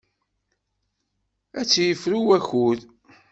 Ad tt-yefru wakud.